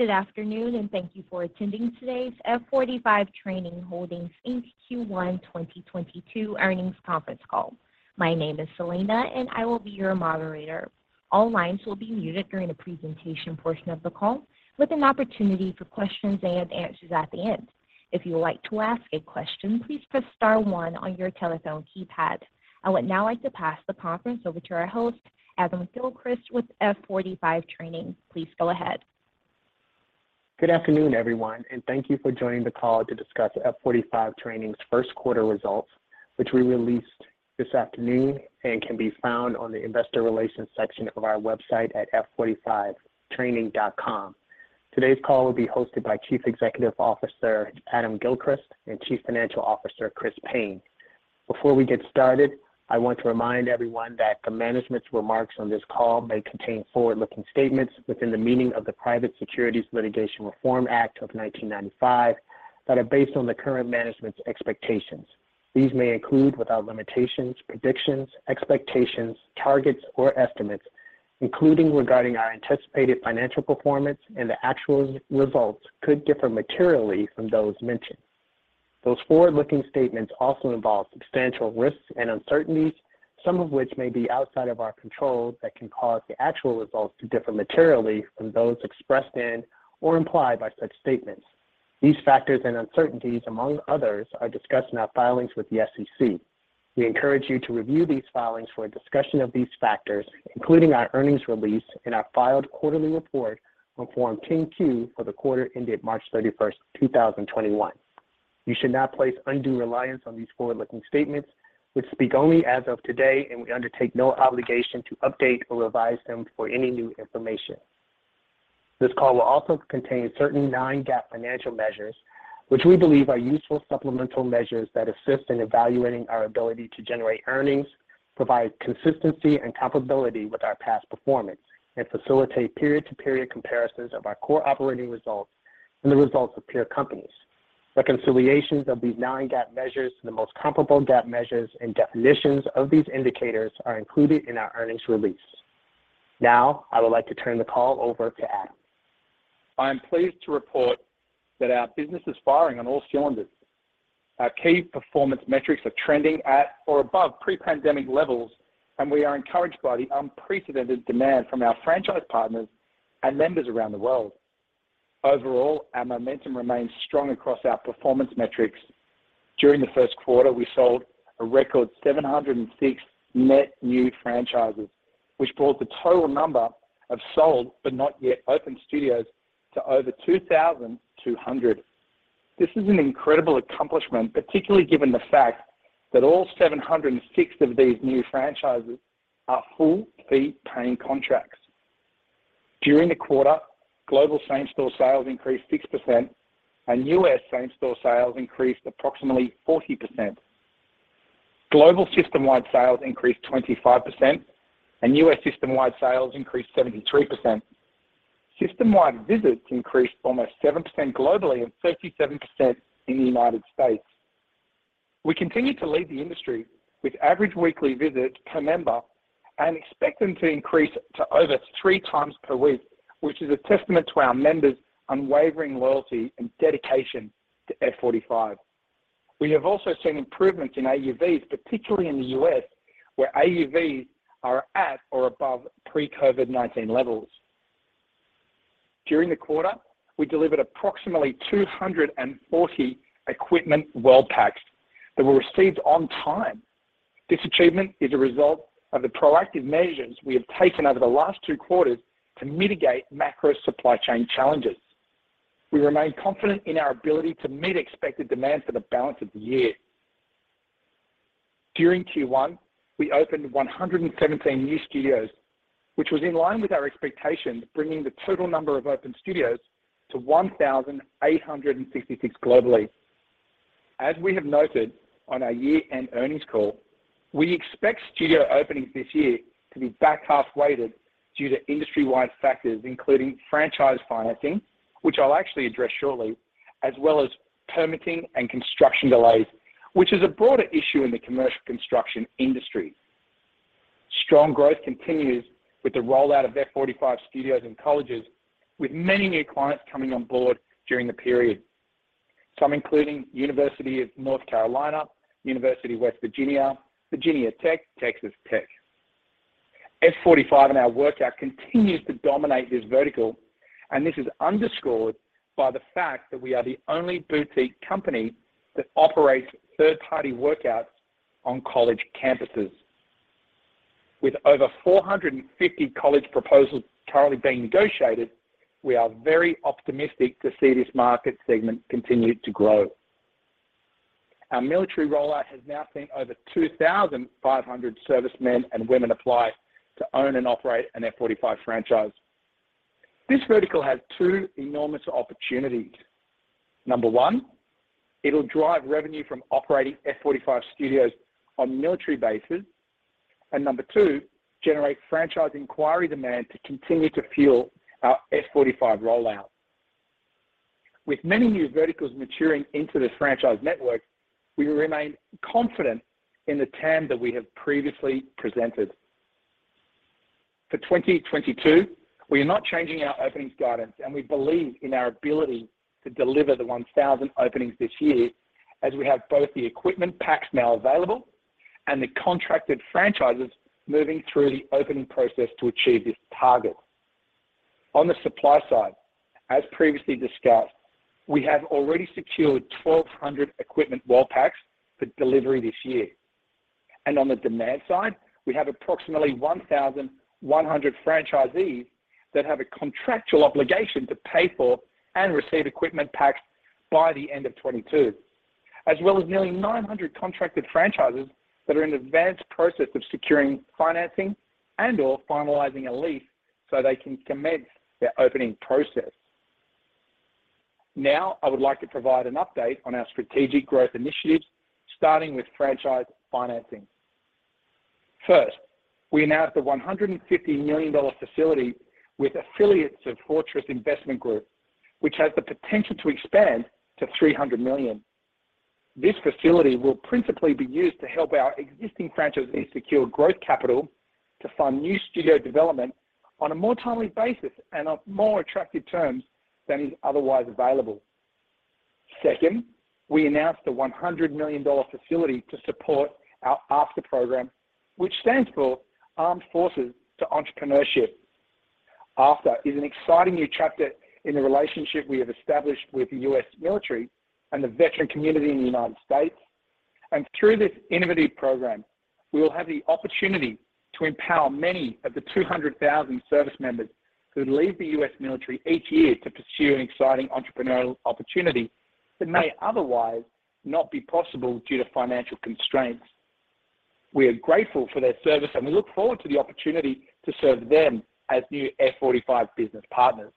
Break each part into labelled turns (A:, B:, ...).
A: Good afternoon, and thank you for attending today's F45 Training Holdings Inc. Q1 2022 earnings conference call. My name is Selena, and I will be your moderator. All lines will be muted during the presentation portion of the call, with an opportunity for questions and answers at the end. If you would like to ask a question, please press star one on your telephone keypad. I would now like to pass the conference over to our host, Adam Gilchrist with F45 Training. Please go ahead.
B: Good afternoon, everyone, and thank you for joining the call to discuss F45 Training's first quarter results, which we released this afternoon and can be found on the investor relations section of our website at f45training.com. Today's call will be hosted by Chief Executive Officer Adam Gilchrist and Chief Financial Officer Chris Payne. Before we get started, I want to remind everyone that the management's remarks on this call may contain forward-looking statements within the meaning of the Private Securities Litigation Reform Act of 1995 that are based on the current management's expectations. These may include, without limitations, predictions, expectations, targets, or estimates, including regarding our anticipated financial performance, and the actual results could differ materially from those mentioned. Those forward-looking statements also involve substantial risks and uncertainties, some of which may be outside of our control that can cause the actual results to differ materially from those expressed in or implied by such statements. These factors and uncertainties, among others, are discussed in our filings with the SEC. We encourage you to review these filings for a discussion of these factors, including our earnings release in our filed quarterly report on Form 10-Q for the quarter ended March 31st, 2021. You should not place undue reliance on these forward-looking statements, which speak only as of today, and we undertake no obligation to update or revise them for any new information. This call will also contain certain non-GAAP financial measures, which we believe are useful supplemental measures that assist in evaluating our ability to generate earnings, provide consistency and comparability with our past performance, and facilitate period-to-period comparisons of our core operating results and the results of peer companies. Reconciliations of these non-GAAP measures to the most comparable GAAP measures and definitions of these indicators are included in our earnings release. Now, I would like to turn the call over to Adam.
C: I am pleased to report that our business is firing on all cylinders. Our key performance metrics are trending at or above pre-pandemic levels, and we are encouraged by the unprecedented demand from our franchise partners and members around the world. Overall, our momentum remains strong across our performance metrics. During the first quarter, we sold a record 706 net new franchises, which brought the total number of sold but not yet open studios to over 2,200. This is an incredible accomplishment, particularly given the fact that all 706 of these new franchises are full fee-paying contracts. During the quarter, global same-store sales increased 6%, and U.S. same-store sales increased approximately 40%. Global system-wide sales increased 25%, and U.S. system-wide sales increased 73%. System-wide visits increased almost 7% globally and 37% in the United States. We continue to lead the industry with average weekly visits per member and expect them to increase to over 3x per week, which is a testament to our members' unwavering loyalty and dedication to F45. We have also seen improvements in AUVs, particularly in the U.S., where AUVs are at or above pre-COVID-19 levels. During the quarter, we delivered approximately 240 equipment world packs that were received on time. This achievement is a result of the proactive measures we have taken over the last two quarters to mitigate macro supply chain challenges. We remain confident in our ability to meet expected demand for the balance of the year. During Q1, we opened 117 new studios, which was in line with our expectations, bringing the total number of open studios to 1,866 globally. As we have noted on our year-end earnings call, we expect studio openings this year to be back half-weighted due to industry-wide factors, including franchise financing, which I'll actually address shortly, as well as permitting and construction delays, which is a broader issue in the commercial construction industry. Strong growth continues with the rollout of F45 studios in colleges, with many new clients coming on board during the period. Some, including University of North Carolina, West Virginia University, Virginia Tech, Texas Tech University. F45 and our workout continues to dominate this vertical, and this is underscored by the fact that we are the only boutique company that operates third-party workouts on college campuses. With over 450 college proposals currently being negotiated, we are very optimistic to see this market segment continue to grow. Our military rollout has now seen over 2,500 servicemen and women apply to own and operate an F45 franchise. This vertical has two enormous opportunities. Number one, it'll drive revenue from operating F45 studios on military bases. Number two, generate franchise inquiry demand to continue to fuel our F45 rollout. With many new verticals maturing into this franchise network, we remain confident in the TAM that we have previously presented. For 2022, we are not changing our openings guidance, and we believe in our ability to deliver the 1,000 openings this year as we have both the equipment world packs now available and the contracted franchises moving through the opening process to achieve this target. On the supply side, as previously discussed, we have already secured 1,200 equipment world packs for delivery this year. On the demand side, we have approximately 1,100 franchisees that have a contractual obligation to pay for and receive equipment packs by the end of 2022. As well as nearly 900 contracted franchises that are in advanced process of securing financing and or finalizing a lease so they can commence their opening process. Now, I would like to provide an update on our strategic growth initiatives, starting with franchise financing. First, we announced the $150 million facility with affiliates of Fortress Investment Group, which has the potential to expand to $300 million. This facility will principally be used to help our existing franchisees secure growth capital to fund new studio development on a more timely basis and on more attractive terms than is otherwise available. Second, we announced a $100 million facility to support our AF2E program, which stands for Armed Forces to Entrepreneurship. AF2E is an exciting new chapter in the relationship we have established with the U.S. military and the veteran community in the United States. Through this innovative program, we will have the opportunity to empower many of the 200,000 service members who leave the U.S. military each year to pursue an exciting entrepreneurial opportunity that may otherwise not be possible due to financial constraints. We are grateful for their service, and we look forward to the opportunity to serve them as new F45 business partners.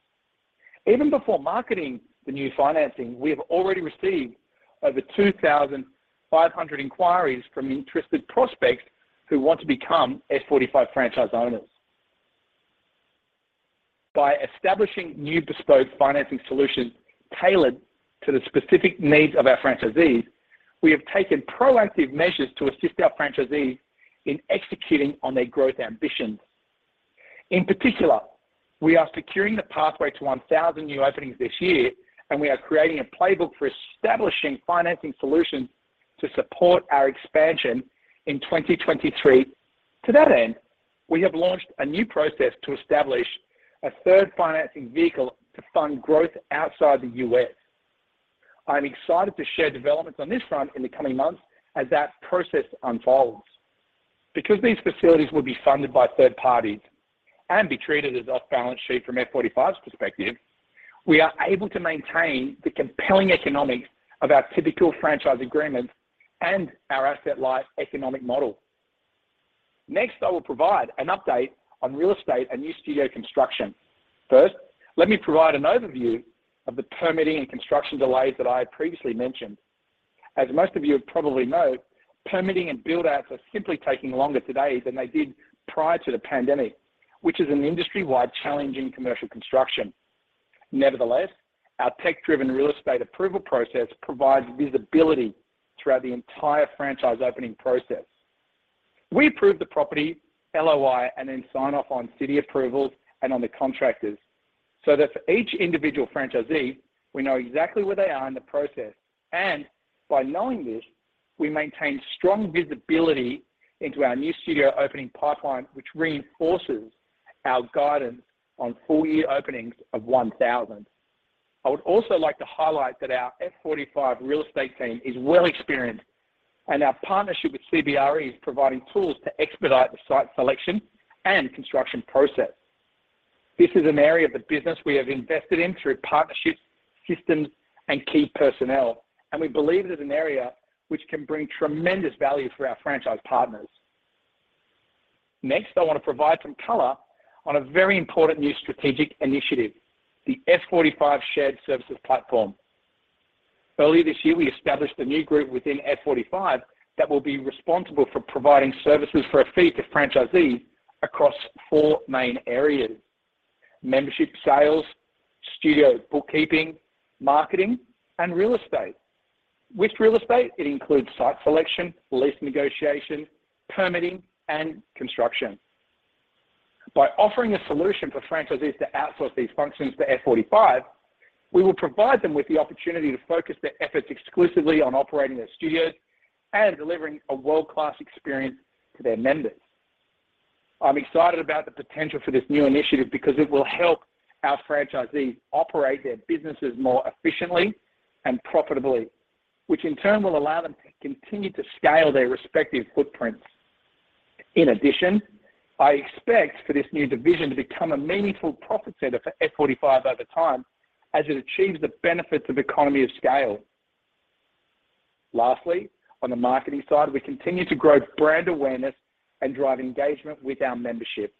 C: Even before marketing the new financing, we have already received over 2,500 inquiries from interested prospects who want to become F45 franchise owners. By establishing new bespoke financing solutions tailored to the specific needs of our franchisees, we have taken proactive measures to assist our franchisees in executing on their growth ambitions. In particular, we are securing the pathway to 1,000 new openings this year, and we are creating a playbook for establishing financing solutions to support our expansion in 2023. To that end, we have launched a new process to establish a third financing vehicle to fund growth outside the U.S. I'm excited to share developments on this front in the coming months as that process unfolds. Because these facilities will be funded by third parties and be treated as off-balance sheet from F45's perspective, we are able to maintain the compelling economics of our typical franchise agreements and our asset-light economic model. Next, I will provide an update on real estate and new studio construction. First, let me provide an overview of the permitting and construction delays that I had previously mentioned. As most of you probably know, permitting and build-outs are simply taking longer today than they did prior to the pandemic, which is an industry-wide challenge in commercial construction. Nevertheless, our tech-driven real estate approval process provides visibility throughout the entire franchise opening process. We approve the property LOI and then sign off on city approvals and on the contractors so that for each individual franchisee, we know exactly where they are in the process. By knowing this, we maintain strong visibility into our new studio opening pipeline, which reinforces our guidance on full-year openings of 1,000. I would also like to highlight that our F45 real estate team is well experienced, and our partnership with CBRE is providing tools to expedite the site selection and construction process. This is an area of the business we have invested in through partnerships, systems, and key personnel, and we believe it is an area which can bring tremendous value for our franchise partners. Next, I want to provide some color on a very important new strategic initiative, the F45 Shared Services Platform. Earlier this year, we established a new group within F45 that will be responsible for providing services for a fee to franchisees across four main areas, membership sales, studio bookkeeping, marketing, and real estate. With real estate, it includes site selection, lease negotiation, permitting, and construction. By offering a solution for franchisees to outsource these functions to F45, we will provide them with the opportunity to focus their efforts exclusively on operating their studios and delivering a world-class experience to their members. I'm excited about the potential for this new initiative because it will help our franchisees operate their businesses more efficiently and profitably, which in turn will allow them to continue to scale their respective footprints. In addition, I expect for this new division to become a meaningful profit center for F45 over time as it achieves the benefits of economy of scale. Lastly, on the marketing side, we continue to grow brand awareness and drive engagement with our membership.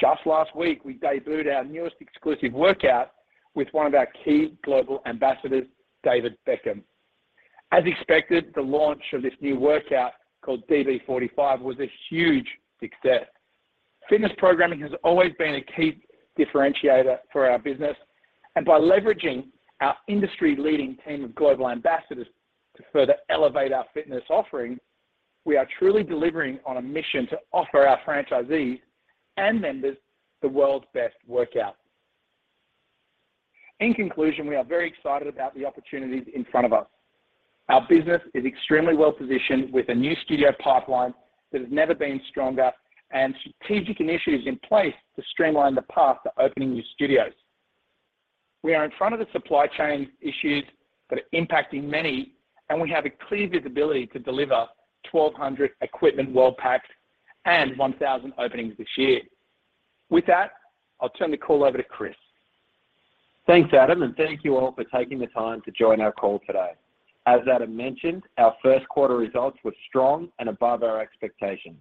C: Just last week, we debuted our newest exclusive workout with one of our key global ambassadors, David Beckham. As expected, the launch of this new workout called DB45 was a huge success. Fitness programming has always been a key differentiator for our business, and by leveraging our industry-leading team of global ambassadors to further elevate our fitness offering, we are truly delivering on a mission to offer our franchisees and members the world's best workout. In conclusion, we are very excited about the opportunities in front of us. Our business is extremely well-positioned with a new studio pipeline that has never been stronger and strategic initiatives in place to streamline the path to opening new studios. We are in front of the supply chain issues that are impacting many, and we have a clear visibility to deliver 1,200 equipment world packs and 1,000 openings this year. With that, I'll turn the call over to Chris.
D: Thanks, Adam, and thank you all for taking the time to join our call today. As Adam mentioned, our first quarter results were strong and above our expectations.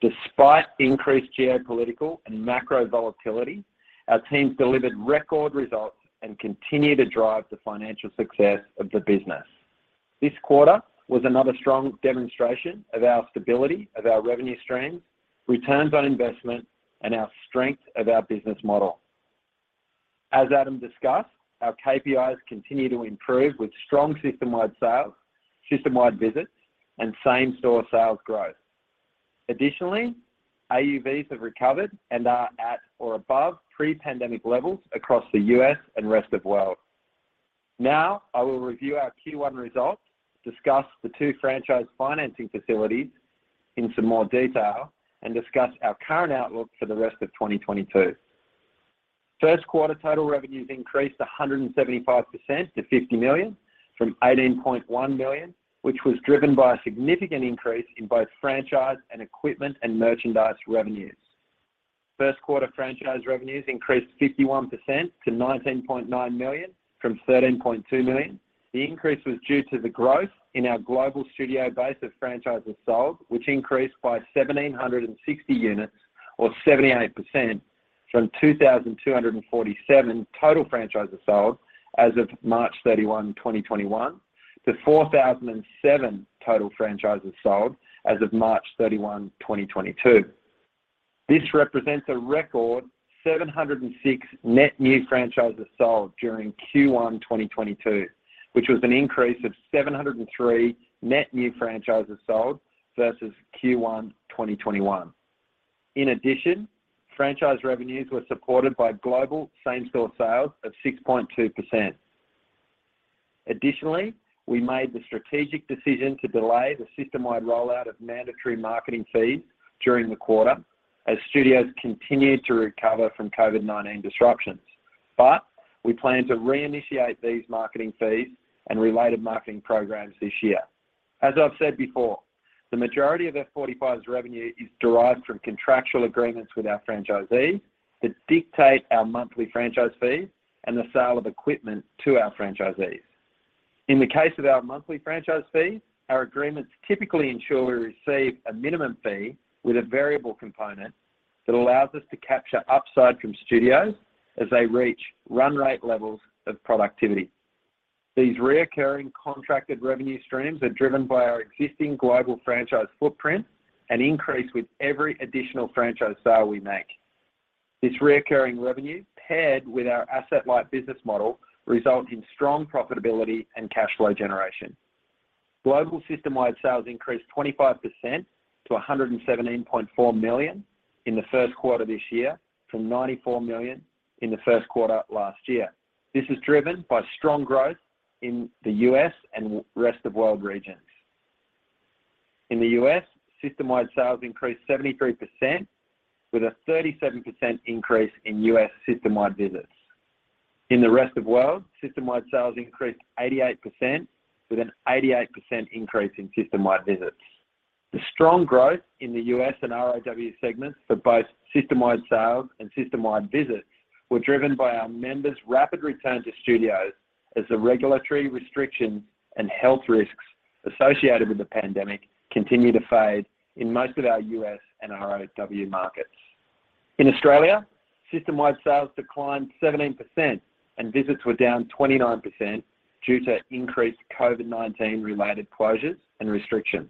D: Despite increased geopolitical and macro volatility, our teams delivered record results and continue to drive the financial success of the business. This quarter was another strong demonstration of our stability, of our revenue strength, returns on investment, and our strength of our business model. As Adam discussed, our KPIs continue to improve with strong system-wide sales, system-wide visits, and same-store sales growth. Additionally, AUVs have recovered and are at or above pre-pandemic levels across the U.S. and rest of world. Now, I will review our Q1 results, discuss the two franchise financing facilities in some more detail, and discuss our current outlook for the rest of 2022. First quarter total revenues increased 175% to $50 million from $18.1 million, which was driven by a significant increase in both franchise and equipment and merchandise revenues. First quarter franchise revenues increased 51% to $19.9 million from $13.2 million. The increase was due to the growth in our global studio base of franchises sold, which increased by 1,760 units or 78% from 2,247 total franchises sold as of March 31, 2021 to 4,007 total franchises sold as of March 31, 2022. This represents a record 706 net new franchises sold during Q1 2022, which was an increase of 703 net new franchises sold versus Q1 2021. In addition, franchise revenues were supported by global same-store sales of 6.2%. Additionally, we made the strategic decision to delay the system-wide rollout of mandatory marketing fees during the quarter as studios continued to recover from COVID-19 disruptions. We plan to reinitiate these marketing fees and related marketing programs this year. As I've said before, the majority of F45's revenue is derived from contractual agreements with our franchisees that dictate our monthly franchise fees and the sale of equipment to our franchisees. In the case of our monthly franchise fee, our agreements typically ensure we receive a minimum fee with a variable component that allows us to capture upside from studios as they reach run rate levels of productivity. These recurring contracted revenue streams are driven by our existing global franchise footprint and increase with every additional franchise sale we make. This recurring revenue paired with our asset-light business model result in strong profitability and cash flow generation. Global system-wide sales increased 25% to $117.4 million in the first quarter this year from $94 million in the first quarter last year. This is driven by strong growth in the U.S. and rest of world regions. In the U.S., system-wide sales increased 73% with a 37% increase in U.S. system-wide visits. In the rest of world, system-wide sales increased 88% with an 88% increase in system-wide visits. The strong growth in the U.S. and ROW segments for both system-wide sales and system-wide visits were driven by our members' rapid return to studios as the regulatory restrictions and health risks associated with the pandemic continue to fade in most of our U.S. and ROW markets. In Australia, system-wide sales declined 17% and visits were down 29% due to increased COVID-19 related closures and restrictions,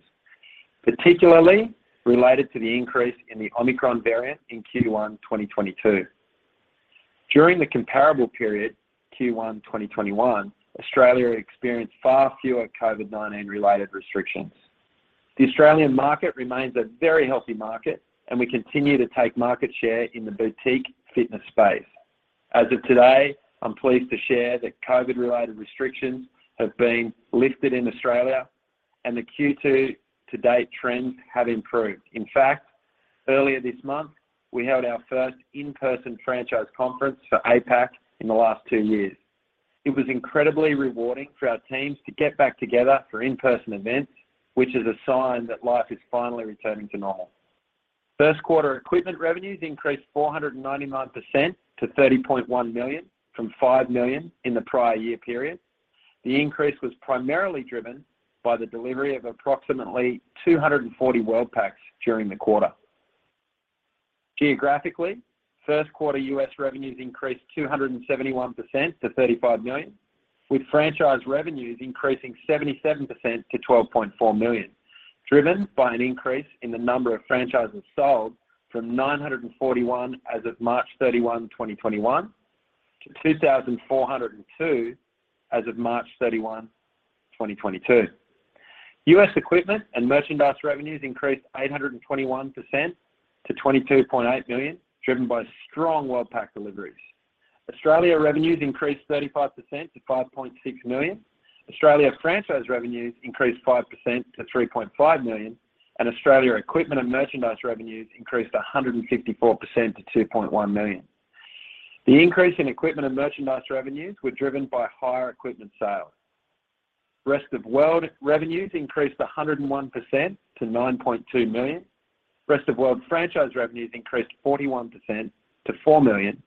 D: particularly related to the increase in the Omicron variant in Q1 2022. During the comparable period, Q1 2021, Australia experienced far fewer COVID-19 related restrictions. The Australian market remains a very healthy market, and we continue to take market share in the boutique fitness space. As of today, I'm pleased to share that COVID-related restrictions have been lifted in Australia and the Q2 to date trends have improved. In fact, earlier this month, we held our first in-person franchise conference for APAC in the last two years. It was incredibly rewarding for our teams to get back together for in-person events, which is a sign that life is finally returning to normal. First quarter equipment revenues increased 499% to $30.1 million from $5 million in the prior year period. The increase was primarily driven by the delivery of approximately 240 World Packs during the quarter. Geographically, first quarter U.S. revenues increased 271% to $35 million, with franchise revenues increasing 77% to $12.4 million, driven by an increase in the number of franchises sold from 941 as of March 31, 2021, to 2,402 as of March 31, 2022. U.S. equipment and merchandise revenues increased 821% to $22.8 million, driven by strong World Packs deliveries. Australia revenues increased 35% to $5.6 million. Australia franchise revenues increased 5% to $3.5 million, and Australia equipment and merchandise revenues increased 154% to $2.1 million. The increase in equipment and merchandise revenues were driven by higher equipment sales. Rest of world revenues increased 101% to $9.2 million. Rest of world franchise revenues increased 41% to $4 million,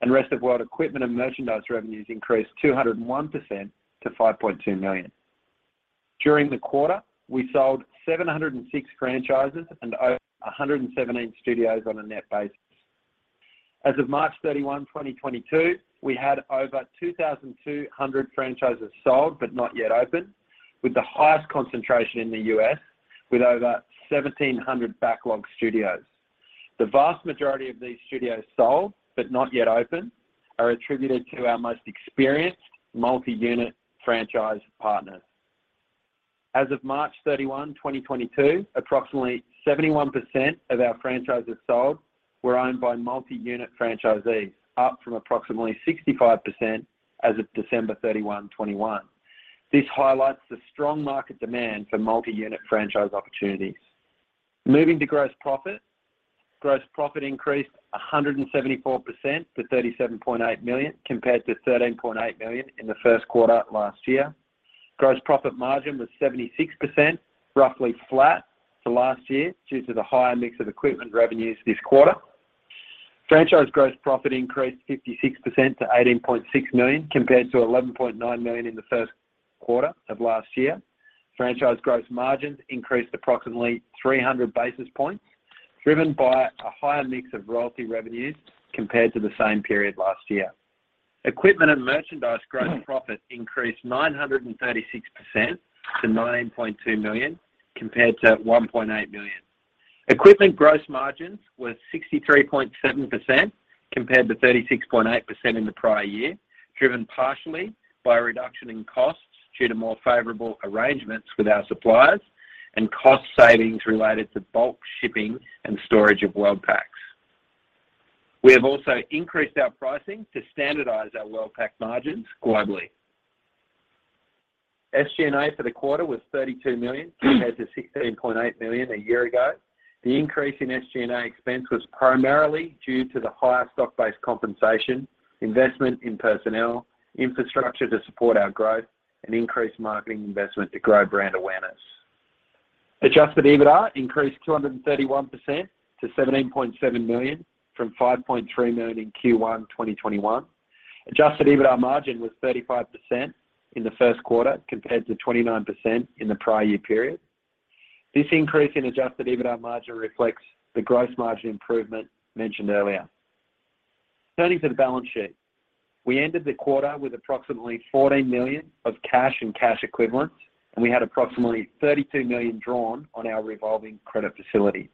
D: and rest of world equipment and merchandise revenues increased 201% to $5.2 million. During the quarter, we sold 706 franchises and a hundred and seventeen studios on a net basis. As of March 31, 2022, we had over 2,200 franchises sold, but not yet open, with the highest concentration in the U.S., with over 1,700 backlog studios. The vast majority of these studios sold, but not yet open, are attributed to our most experienced multi-unit franchise partners. As of March 31, 2022, approximately 71% of our franchises sold were owned by multi-unit franchisees, up from approximately 65% as of December 31, 2021. This highlights the strong market demand for multi-unit franchise opportunities. Moving to gross profit. Gross profit increased 174% to $37.8 million, compared to $13.8 million in the first quarter last year. Gross profit margin was 76%, roughly flat to last year due to the higher mix of equipment revenues this quarter. Franchise gross profit increased 56% to $18.6 million, compared to $11.9 million in the first quarter of last year. Franchise gross margins increased approximately 300 basis points, driven by a higher mix of royalty revenues compared to the same period last year. Equipment and merchandise gross profit increased 936% to $9.2 million, compared to $1.8 million. Equipment gross margins were 63.7% compared to 36.8% in the prior year, driven partially by a reduction in costs due to more favorable arrangements with our suppliers and cost savings related to bulk shipping and storage of World Packs. We have also increased our pricing to standardize our World Pack margins globally. SG&A for the quarter was $32 million compared to $16.8 million a year ago. The increase in SG&A expense was primarily due to the higher stock-based compensation, investment in personnel, infrastructure to support our growth, and increased marketing investment to grow brand awareness. Adjusted EBITDA increased 231% to $17.7 million from $5.3 million in Q1 2021. Adjusted EBITDA margin was 35% in the first quarter, compared to 29% in the prior year period. This increase in adjusted EBITDA margin reflects the gross margin improvement mentioned earlier. Turning to the balance sheet. We ended the quarter with approximately $14 million of cash and cash equivalents, and we had approximately $32 million drawn on our revolving credit facility.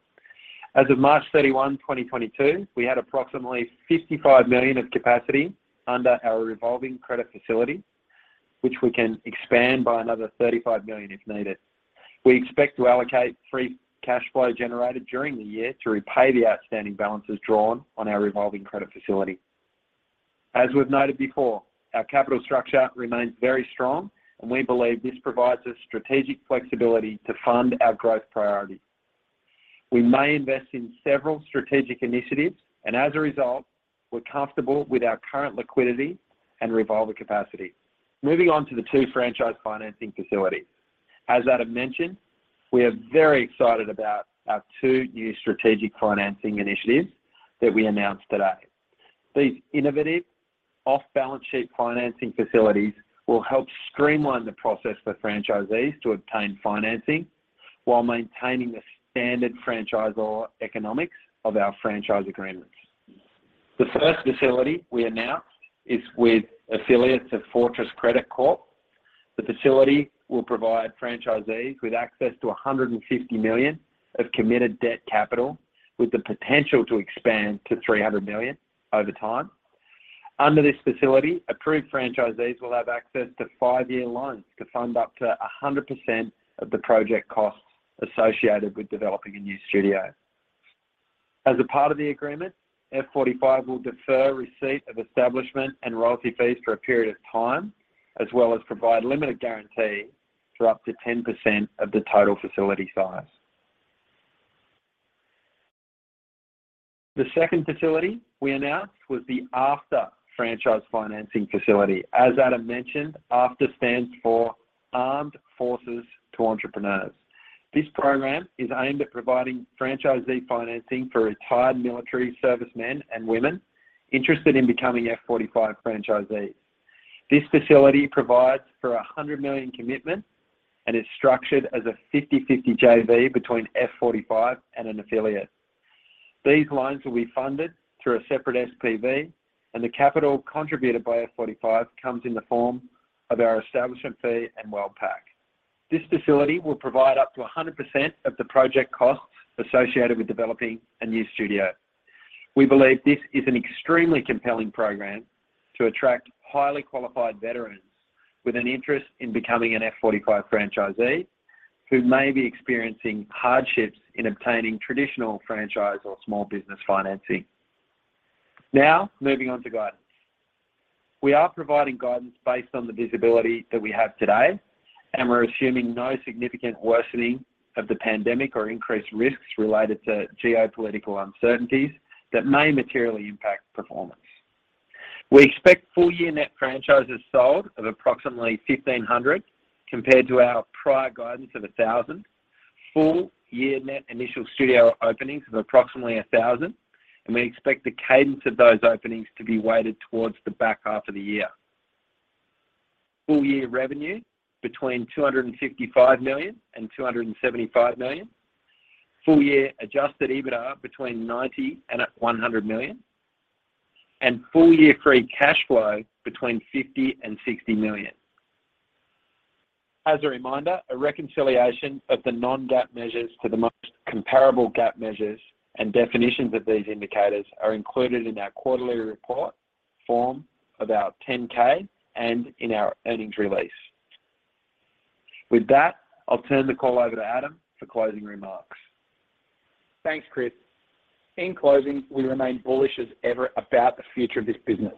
D: As of March 31, 2022, we had approximately $55 million of capacity under our revolving credit facility, which we can expand by another $35 million if needed. We expect to allocate free cash flow generated during the year to repay the outstanding balances drawn on our revolving credit facility. As we've noted before, our capital structure remains very strong, and we believe this provides us strategic flexibility to fund our growth priorities. We may invest in several strategic initiatives, and as a result, we're comfortable with our current liquidity and revolver capacity. Moving on to the two franchise financing facilities. As Adam mentioned, we are very excited about our two new strategic financing initiatives that we announced today. These innovative off-balance sheet financing facilities will help streamline the process for franchisees to obtain financing while maintaining the standard franchisor economics of our franchise agreements. The first facility we announced is with affiliates of Fortress Credit Corp. The facility will provide franchisees with access to $150 million of committed debt capital with the potential to expand to $300 million over time. Under this facility, approved franchisees will have access to five-year loans to fund up to 100% of the project costs associated with developing a new studio. As a part of the agreement, F45 will defer receipt of establishment and royalty fees for a period of time, as well as provide limited guarantee for up to 10% of the total facility size. The second facility we announced was the AFTER Franchise Financing Facility. As Adam mentioned, AFTER stands for Armed Forces to Entrepreneur. This program is aimed at providing franchisee financing for retired military servicemen and women interested in becoming F45 franchisees. This facility provides for a $100 million commitment and is structured as a 50/50 JV between F45 and an affiliate. These loans will be funded through a separate SPV, and the capital contributed by F45 comes in the form of our establishment fee and World Pack. This facility will provide up to 100% of the project costs associated with developing a new studio. We believe this is an extremely compelling program to attract highly qualified veterans with an interest in becoming an F45 franchisee who may be experiencing hardships in obtaining traditional franchise or small business financing. Now, moving on to guidance. We are providing guidance based on the visibility that we have today, and we're assuming no significant worsening of the pandemic or increased risks related to geopolitical uncertainties that may materially impact performance. We expect full year net franchises sold of approximately 1,500 compared to our prior guidance of 1,000. Full year net initial studio openings of approximately 1,000, and we expect the cadence of those openings to be weighted towards the back half of the year. Full year revenue between $255-$275 million. Full year adjusted EBITDA between $90-$100 million. Full year free cash flow between $50-$60 million. As a reminder, a reconciliation of the non-GAAP measures to the most comparable GAAP measures and definitions of these indicators are included in our quarterly report, Form 10-Q, and our 10-K, and in our earnings release. With that, I'll turn the call over to Adam for closing remarks.
C: Thanks, Chris. In closing, we remain bullish as ever about the future of this business.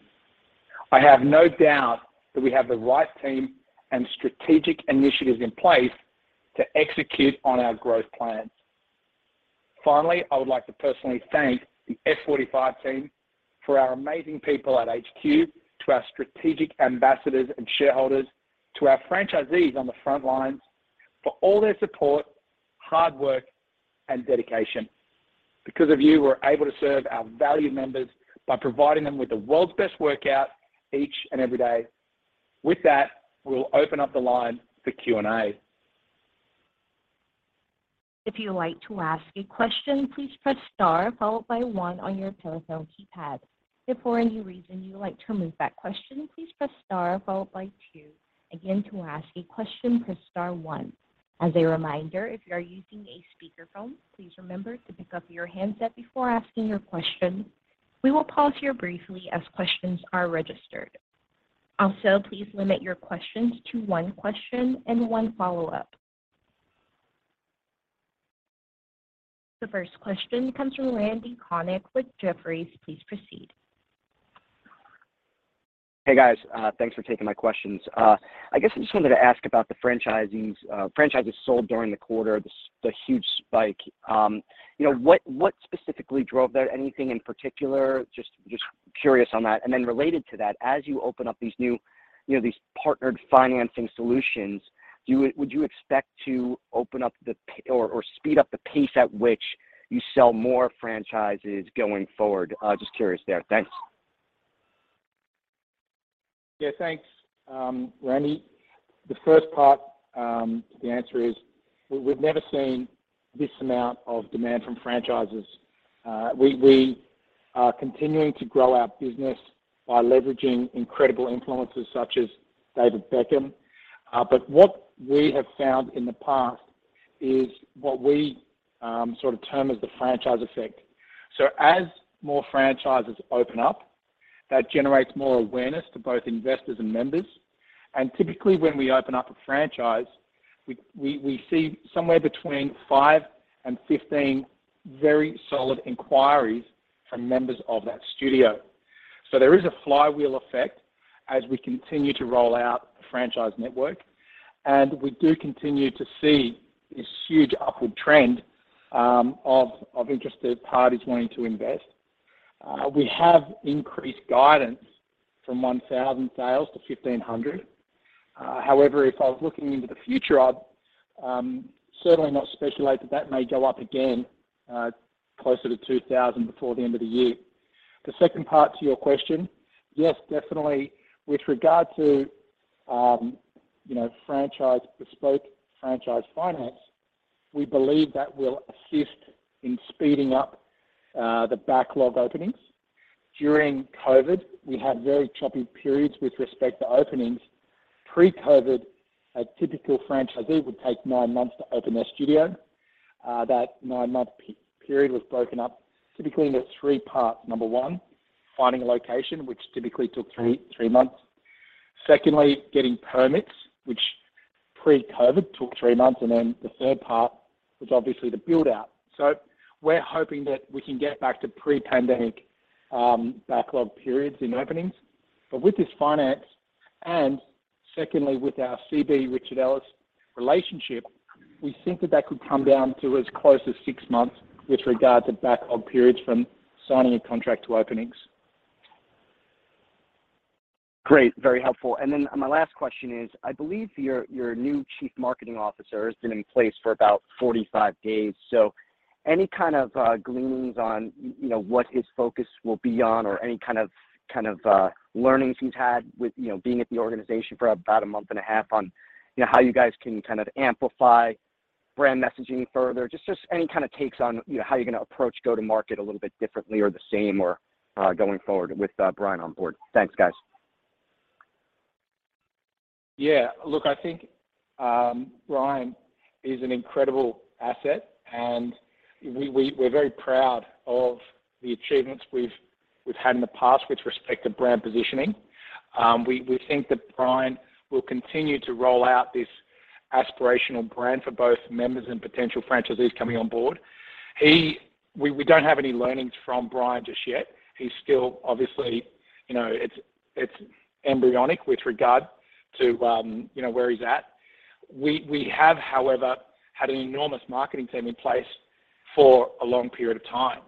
C: I have no doubt that we have the right team and strategic initiatives in place to execute on our growth plans. Finally, I would like to personally thank the F45 team for our amazing people at HQ, to our strategic ambassadors and shareholders, to our franchisees on the front lines for all their support, hard work, and dedication. Because of you, we're able to serve our valued members by providing them with the world's best workout each and every day. With that, we'll open up the line for Q&A.
A: If you'd like to ask a question, please press star followed by one on your telephone keypad. If for any reason you would like to remove that question, please press star followed by two. Again, to ask a question, press star one. As a reminder, if you are using a speakerphone, please remember to pick up your handset before asking your question. We will pause here briefly as questions are registered. Also, please limit your questions to one question and one follow-up. The first question comes from Randy Konik with Jefferies. Please proceed.
E: Hey, guys. Thanks for taking my questions. I guess I just wanted to ask about the franchises sold during the quarter, the huge spike. You know, what specifically drove that? Anything in particular? Just curious on that. Related to that, as you open up these new, you know, these partnered financing solutions, would you expect to open up or speed up the pace at which you sell more franchises going forward? Just curious there. Thanks.
C: Yeah, thanks, Randy. The first part, the answer is we've never seen this amount of demand from franchises. We are continuing to grow our business by leveraging incredible influencers such as David Beckham. But what we have found in the past is what we sort of term as the franchise effect. As more franchises open up, that generates more awareness to both investors and members. Typically, when we open up a franchise, we see somewhere between 5-15 very solid inquiries from members of that studio. There is a flywheel effect as we continue to roll out the franchise network. We do continue to see this huge upward trend of interested parties wanting to invest. We have increased guidance from 1,000 sales to 1,500. However, if I was looking into the future, I'd certainly not speculate that that may go up again closer to 2000 before the end of the year. The second part to your question, yes, definitely. With regard to you know, franchise bespoke, franchise finance, we believe that will assist in speeding up the backlog openings. During COVID, we had very choppy periods with respect to openings. Pre-COVID, a typical franchisee would take nine months to open their studio. That nine-month period was broken up typically into three parts. Number one, finding a location, which typically took three months. Secondly, getting permits, which pre-COVID took three months. Then the third part was obviously the build-out. We're hoping that we can get back to pre-pandemic backlog periods in openings. With this finance, and secondly, with our CB Richard Ellis relationship, we think that that could come down to as close as six months with regard to backlog periods from signing a contract to openings.
E: Great. Very helpful. My last question is, I believe your new Chief Marketing Officer has been in place for about 45 days. Any kind of gleanings on, you know, what his focus will be on or any kind of learnings he's had with, you know, being at the organization for about a month and a half on, you know, how you guys can kind of amplify brand messaging further? Just any kind of takes on, you know, how you're gonna approach go-to-market a little bit differently or the same or going forward with Ryan McGrath on board. Thanks, guys.
D: Yeah. Look, I think Ryan is an incredible asset, and we're very proud of the achievements we've had in the past with respect to brand positioning. We think that Ryan will continue to roll out this aspirational brand for both members and potential franchisees coming on board. We don't have any learnings from Ryan just yet. He's still obviously, you know, it's embryonic with regard to, you know, where he's at. We have, however, had an enormous marketing team in place for a long period of time.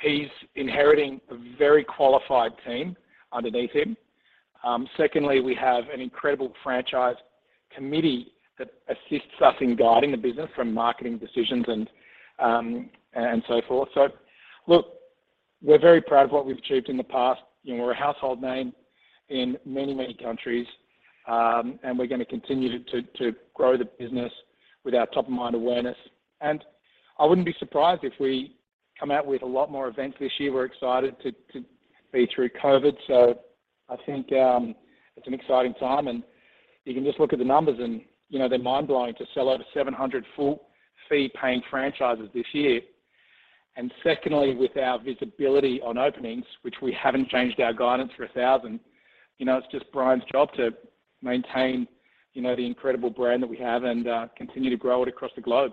D: He's inheriting a very qualified team underneath him. Secondly, we have an incredible franchise committee that assists us in guiding the business from marketing decisions and so forth. Look, we're very proud of what we've achieved in the past. You know, we're a household name in many, many countries, and we're gonna continue to grow the business with our top-of-mind awareness. I wouldn't be surprised if we come out with a lot more events this year. We're excited to see through COVID. I think it's an exciting time, and you can just look at the numbers, and you know, they're mind-blowing to sell over 700 full fee-paying franchises this year. Secondly, with our visibility on openings, which we haven't changed our guidance for 1,000, you know, it's just Ryan's job to maintain, you know, the incredible brand that we have and continue to grow it across the globe.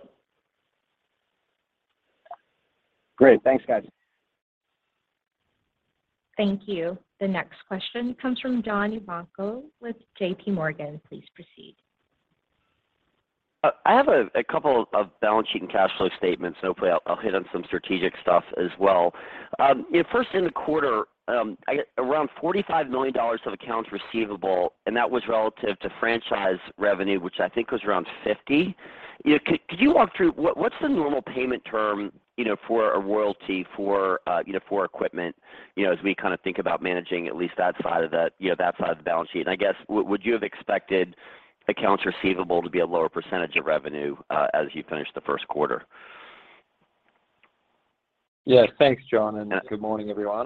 E: Great. Thanks, guys.
A: Thank you. The next question comes from John Ivankoe with JP Morgan. Please proceed.
F: I have a couple of balance sheet and cash flow statements. Hopefully I'll hit on some strategic stuff as well. You know, first in the quarter, around $45 million of accounts receivable, and that was relative to franchise revenue, which I think was around $50 million. You know, could you walk through what's the normal payment term, you know, for a royalty for equipment, you know, as we kind of think about managing at least that side of the balance sheet? I guess would you have expected accounts receivable to be a lower percentage of revenue as you finish the first quarter?
D: Yeah. Thanks, John, and good morning, everyone.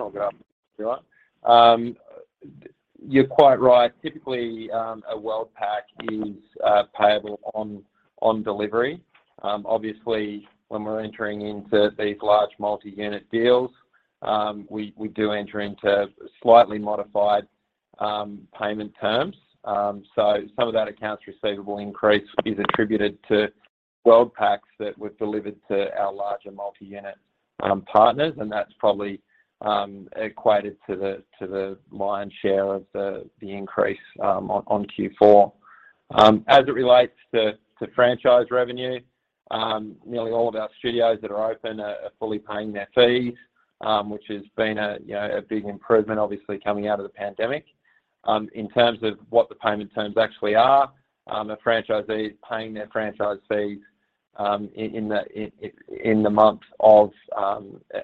D: You're quite right. Typically, a World Pack is payable on delivery. Obviously, when we're entering into these large multi-unit deals, we do enter into slightly modified payment terms. Some of that accounts receivable increase is attributed to World Packs that were delivered to our larger multi-unit partners, and that's probably equated to the lion's share of the increase on Q4. As it relates to franchise revenue, nearly all of our studios that are open are fully paying their fees, which has been, you know, a big improvement obviously coming out of the pandemic. In terms of what the payment terms actually are, a franchisee paying their franchise fees in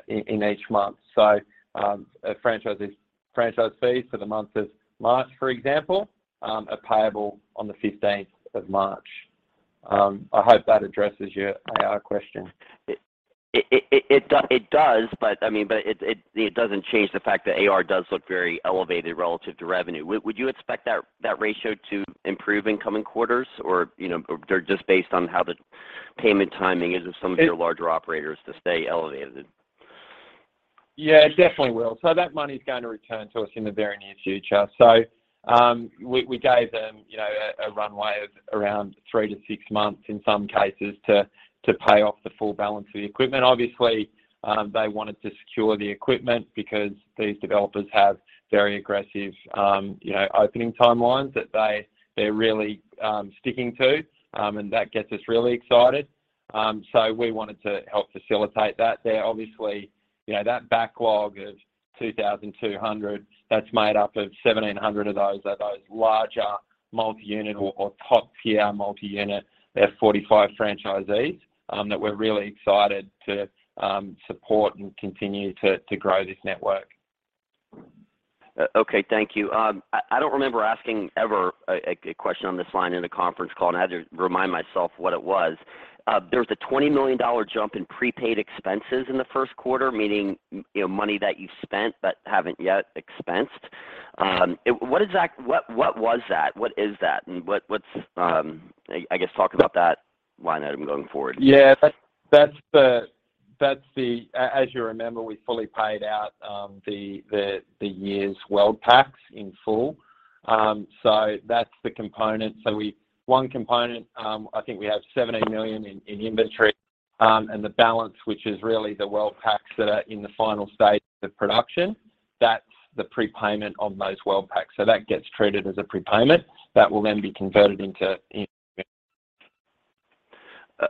D: each month. A franchisee's franchise fees for the month of March, for example, are payable on the fifteenth of March. I hope that addresses your AR question.
F: It does, but I mean, but it doesn't change the fact that AR does look very elevated relative to revenue. Would you expect that ratio to improve in coming quarters or, you know, or just based on how the payment timing is of some of your larger operators to stay elevated?
D: Yeah, it definitely will. That money's going to return to us in the very near future. We gave them, you know, a runway of around three-six months in some cases to pay off the full balance of the equipment. Obviously, they wanted to secure the equipment because these developers have very aggressive, you know, opening timelines that they're really sticking to. That gets us really excited. We wanted to help facilitate that. They're obviously, you know, that backlog of 2,200, that's made up of 1,700 of those are those larger multi-unit or top-tier multi-unit. They're 45 franchisees that we're really excited to support and continue to grow this network.
F: Okay. Thank you. I don't remember asking for a question on this line in a conference call, and I had to remind myself what it was. There was a $20 million jump in prepaid expenses in the first quarter, meaning, you know, money that you spent but haven't yet expensed. What was that? What is that? And what's, I guess, talk about that line item going forward.
D: Yeah. As you remember, we fully paid out the year's World Packs in full. That's the component. One component, I think we have $17 million in inventory, and the balance, which is really the World Packs that are in the final stages of production. That's the prepayment on those World Packs. That gets treated as a prepayment that will then be converted into inventory.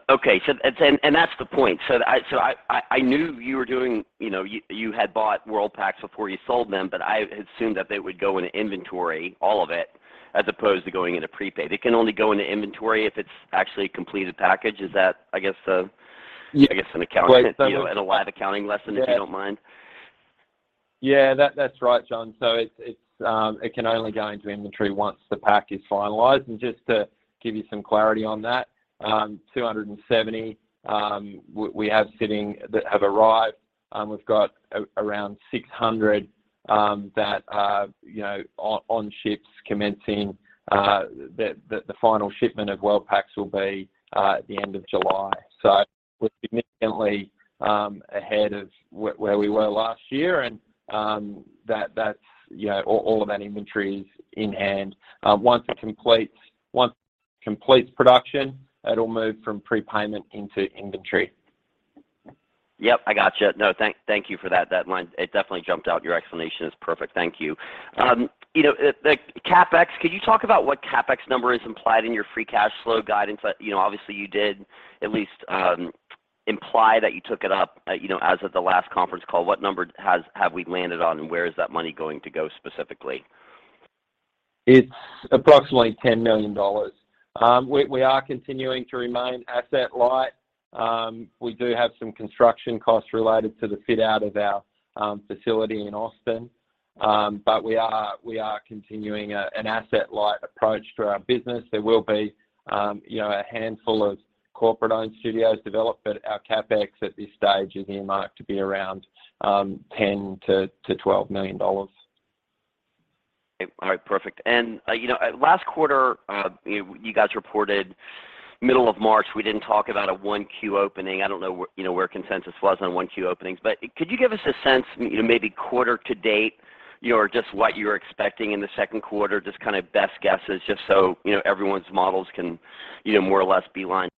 F: Okay. And that's the point. I knew you were doing, you know, you had bought World Packs before you sold them, but I assumed that they would go into inventory, all of it, as opposed to going into prepaid. It can only go into inventory if it's actually a completed package. Is that, I guess?
D: Yeah.
F: I guess an accountant.
D: Right. That's
F: You know, a lot of accounting lesson.
D: Yeah.
F: If you don't mind.
D: Yeah, that's right, John. It can only go into inventory once the pack is finalized. Just to give you some clarity on that, 270 we have sitting that have arrived. We've got around 600 that you know on ships commencing the final shipment of World Packs will be at the end of July. We're significantly ahead of where we were last year, and that's you know all of that inventory is in hand. Once it completes production, it'll move from prepayment into inventory.
F: Yep, I gotcha. No, thank you for that. That line, it definitely jumped out. Your explanation is perfect. Thank you. You know, the CapEx, could you talk about what CapEx number is implied in your free cash flow guidance? You know, obviously, you did at least imply that you took it up, you know, as of the last conference call. What number have we landed on, and where is that money going to go specifically?
D: It's approximately $10 million. We are continuing to remain asset-light. We do have some construction costs related to the fit-out of our facility in Austin. But we are continuing an asset-light approach to our business. There will be, you know, a handful of corporate-owned studios developed, but our CapEx at this stage is earmarked to be around $10million-$12 million.
F: All right, perfect. You know, last quarter, you guys reported middle of March, we didn't talk about a 1Q opening. I don't know where, you know, where consensus was on 1Q openings. Could you give us a sense, you know, maybe quarter to date, you know, or just what you're expecting in the second quarter, just kind of best guesses, just so, you know, everyone's models can, you know, more or less be line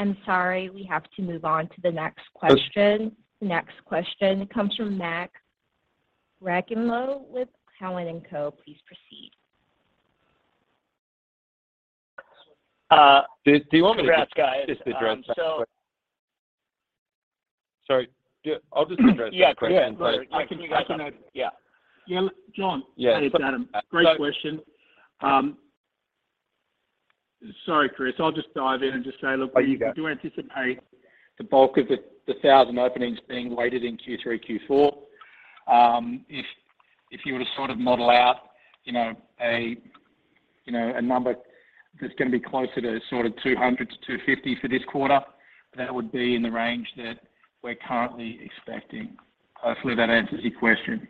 A: I'm sorry, we have to move on to the next question. The next question comes from Max Rakhlenko with Cowen. Please proceed.
D: Do you want me to just address that question?
F: Sure.
D: Sorry. Yeah, I'll just address that question.
F: Yeah. Yeah.
C: I can. Yeah. John.
D: Yeah.
C: It's Adam. Great question. Sorry, Chris, I'll just dive in and just say, look, we do anticipate the bulk of the 1,000 openings being weighted in Q3, Q4. If you were to sort of model out, you know, a number that's going to be closer to sort of 200-250 for this quarter, that would be in the range that we're currently expecting. Hopefully, that answers your question.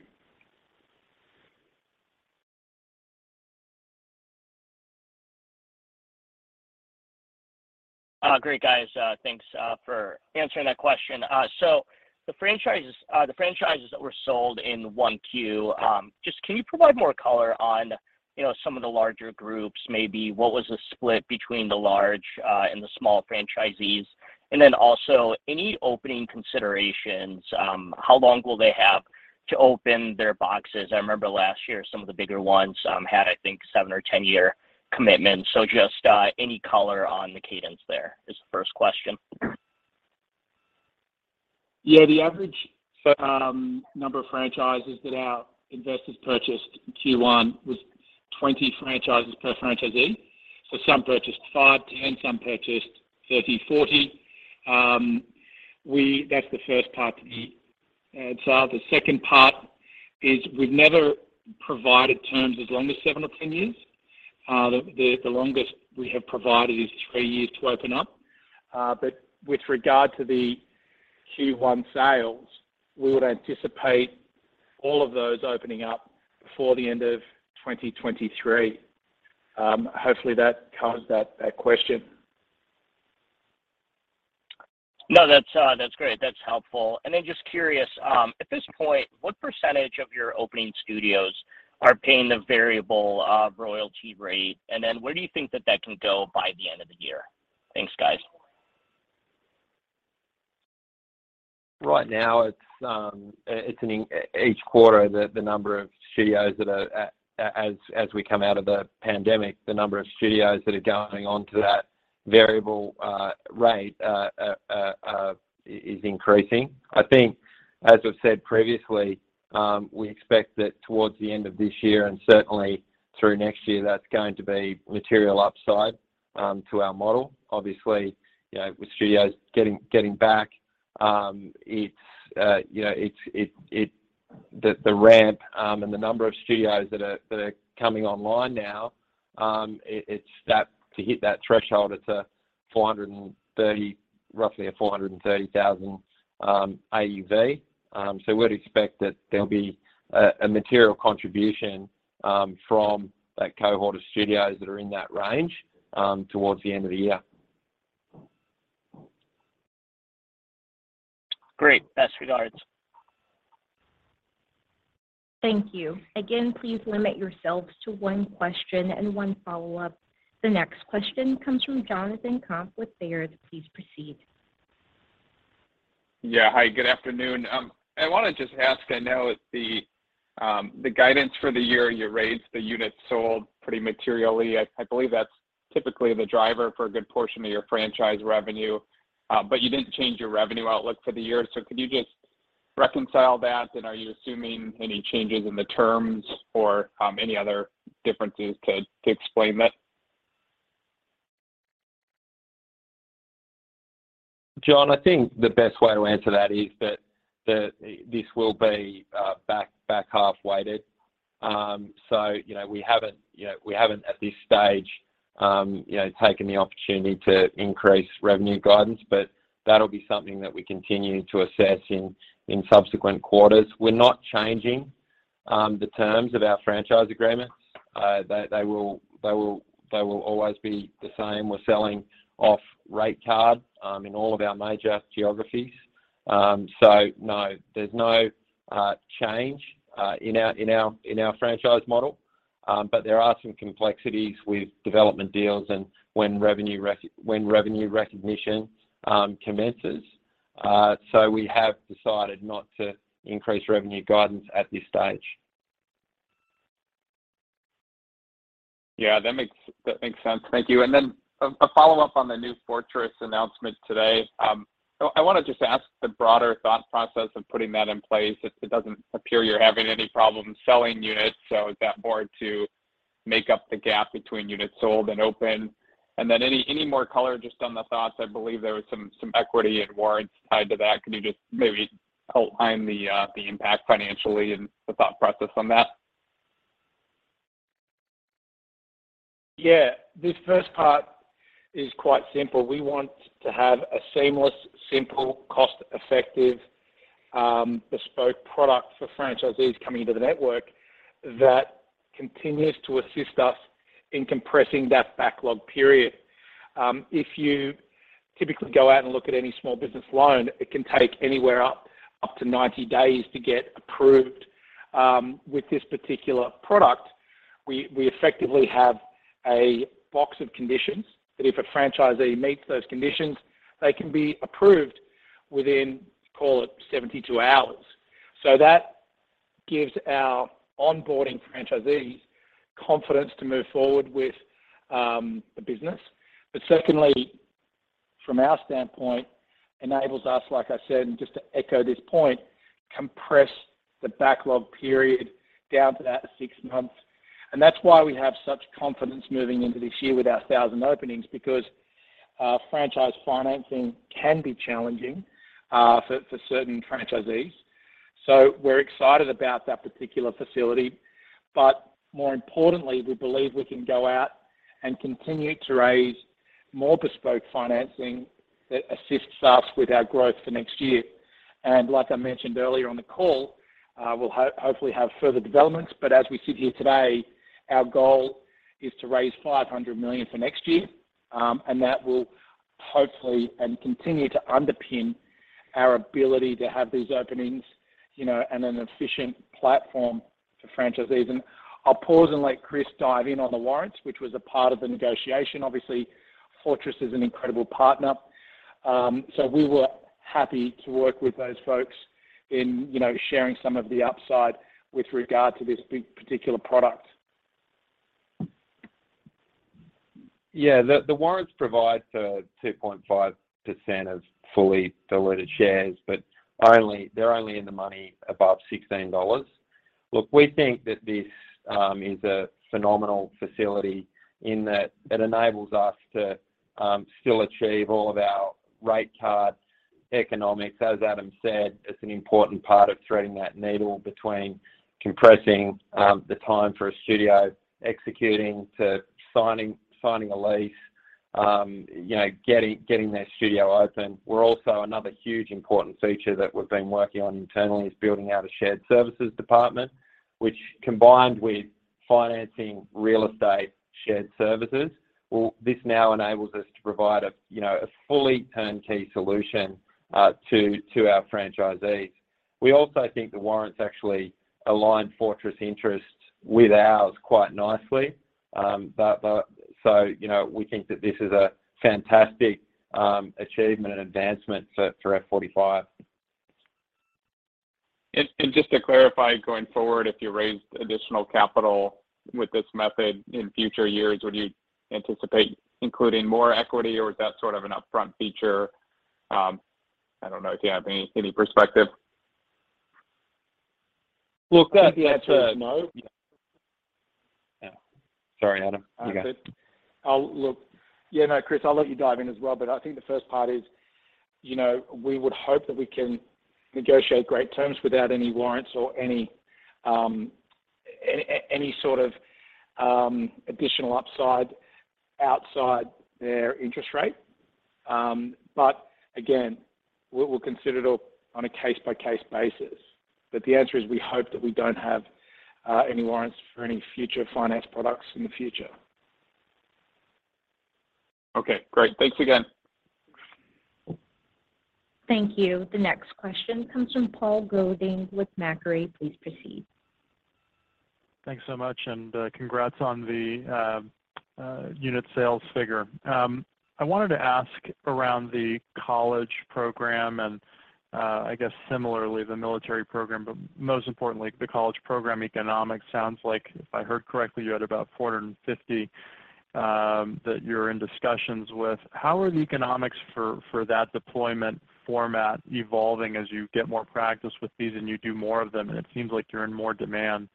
G: Great, guys. Thanks for answering that question. The franchises that were sold in 1Q, just can you provide more color on, you know, some of the larger groups, maybe what was the split between the large and the small franchisees? And then also any opening considerations, how long will they have to open their boxes? I remember last year, some of the bigger ones had, I think, seven- or 10-year commitments. Just any color on the cadence there is the first question.
C: Yeah. The average number of franchises that our investors purchased in Q1 was 20 franchises per franchisee. Some purchased 5, 10, some purchased 30, 40. That's the first part. The second part is we've never provided terms as long as seven or 10 years. The longest we have provided is three years to open up. With regard to the Q1 sales, we would anticipate all of those opening up before the end of 2023. Hopefully, that covers that question.
G: No, that's great. That's helpful. Just curious, at this point, what percentage of your opening studios are paying the variable royalty rate? Where do you think that can go by the end of the year? Thanks, guys.
D: Right now, it's in each quarter, the number of studios that are going onto that variable rate is increasing as we come out of the pandemic. I think as I've said previously, we expect that towards the end of this year and certainly through next year, that's going to be material upside to our model. Obviously, you know, with studios getting back, it's you know, it's the ramp and the number of studios that are coming online now, it's starting to hit that threshold. It's roughly a $430 thousand AUV. We'd expect that there'll be a material contribution from that cohort of studios that are in that range towards the end of the year.
G: Great. Best regards.
A: Thank you. Again, please limit yourselves to one question and one follow-up. The next question comes from Jonathan Komp with Baird. Please proceed.
H: Yeah. Hi, good afternoon. I want to just ask, I know the guidance for the year, you raised the units sold pretty materially. I believe that's typically the driver for a good portion of your franchise revenue. You didn't change your revenue outlook for the year. Could you just reconcile that, and are you assuming any changes in the terms or any other differences to explain that?
D: John, I think the best way to answer that is that this will be back half weighted. You know, we haven't at this stage you know taken the opportunity to increase revenue guidance, but that'll be something that we continue to assess in subsequent quarters. We're not changing the terms of our franchise agreements. They will always be the same. We're selling off rate card in all of our major geographies. No, there's no change in our franchise model. There are some complexities with development deals and when revenue recognition commences. We have decided not to increase revenue guidance at this stage.
H: Yeah, that makes sense. Thank you. Then a follow-up on the new Fortress announcement today. So I wanna just ask the broader thought process of putting that in place. It doesn't appear you're having any problems selling units, so is that more to make up the gap between units sold and open? Then any more color just on the thoughts, I believe there was some equity and warrants tied to that. Could you just maybe outline the impact financially and the thought process on that?
C: Yeah. This first part is quite simple. We want to have a seamless, simple, cost-effective, bespoke product for franchisees coming into the network that continues to assist us in compressing that backlog period. If you typically go out and look at any small business loan, it can take anywhere up to 90 days to get approved. With this particular product, we effectively have a box of conditions that if a franchisee meets those conditions, they can be approved within, call it 72 hours. That gives our onboarding franchisees confidence to move forward with the business. Secondly, from our standpoint, enables us, like I said, and just to echo this point, compress the backlog period down to that six months. That's why we have such confidence moving into this year with our 1,000 openings because franchise financing can be challenging for certain franchisees. We're excited about that particular facility. More importantly, we believe we can go out and continue to raise more bespoke financing that assists us with our growth for next year. Like I mentioned earlier on the call, we'll hopefully have further developments, but as we sit here today, our goal is to raise $500 million for next year, and that will hopefully and continue to underpin our ability to have these openings, you know, and an efficient platform for franchisees. I'll pause and let Chris dive in on the warrants, which was a part of the negotiation. Obviously, Fortress is an incredible partner. We were happy to work with those folks in, you know, sharing some of the upside with regard to this big particular product.
D: Yeah. The warrants provide for 2.5% of fully diluted shares, but they're only in the money above $16. Look, we think that this is a phenomenal facility in that it enables us to still achieve all of our rate card economics. As Adam said, it's an important part of threading that needle between compressing the time for a studio, executing to signing a lease, you know, getting that studio open. We're also another huge important feature that we've been working on internally is building out a shared services department, which combined with financing real estate shared services, this now enables us to provide a you know a fully turnkey solution to our franchisees. We also think the warrants actually align Fortress interests with ours quite nicely. You know, we think that this is a fantastic achievement and advancement for F45.
H: Just to clarify, going forward, if you raised additional capital with this method in future years, would you anticipate including more equity, or is that sort of an upfront feature? I don't know if you have any perspective.
D: Look.
C: The answer is no.
D: Yeah. Sorry, Adam. You go.
C: Yeah, no, Chris, I'll let you dive in as well, but I think the first part is, you know, we would hope that we can negotiate great terms without any warrants or any sort of additional upside outside their interest rate. Again, we'll consider it all on a case-by-case basis. The answer is we hope that we don't have any warrants for any future finance products in the future.
H: Okay, great. Thanks again.
A: Thank you. The next question comes from Paul Golding with Macquarie. Please proceed.
I: Thanks so much, and congrats on the unit sales figure. I wanted to ask around the college program and, I guess similarly the military program, but most importantly, the college program economics. Sounds like if I heard correctly, you had about 450 that you're in discussions with. How are the economics for that deployment format evolving as you get more practice with these and you do more of them, and it seems like you're in more demand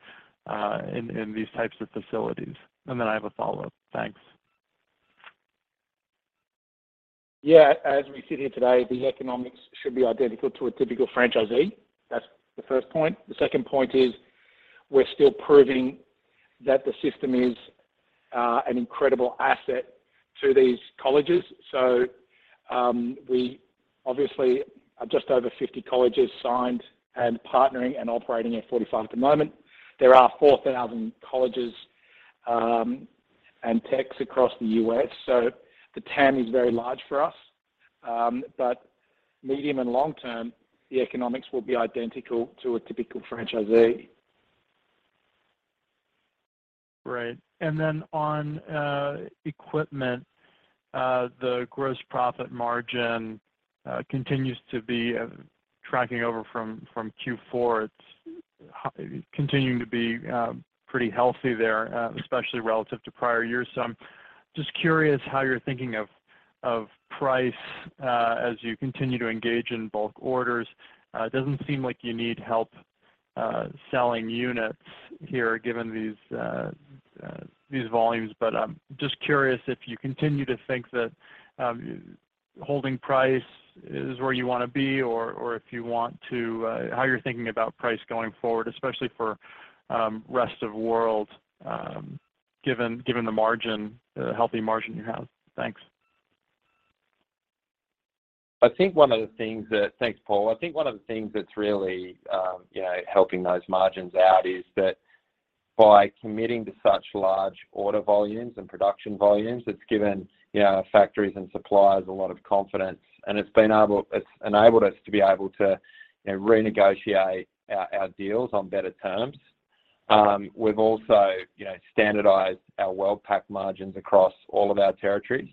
I: in these types of facilities? Then I have a follow-up. Thanks.
C: Yeah. As we sit here today, the economics should be identical to a typical franchisee. That's the first point. The second point is we're still proving that the system is an incredible asset to these colleges. We obviously are just over 50 colleges signed and partnering and operating F45 at the moment. There are 4,000 colleges and techs across the U.S., so the TAM is very large for us. Medium and long term, the economics will be identical to a typical franchisee.
I: Right. On equipment, the gross profit margin continues to be tracking over from Q4. It's continuing to be pretty healthy there, especially relative to prior years. I'm just curious how you're thinking of price as you continue to engage in bulk orders. It doesn't seem like you need help selling units here given these volumes. I'm just curious if you continue to think that holding price is where you want to be or if you want to how you're thinking about price going forward, especially for rest of world, given the margin, the healthy margin you have. Thanks.
D: Thanks, Paul. I think one of the things that's really, you know, helping those margins out is that by committing to such large order volumes and production volumes, it's given, you know, our factories and suppliers a lot of confidence, and it's enabled us to be able to, you know, renegotiate our deals on better terms. We've also, you know, standardized our World Pack margins across all of our territories.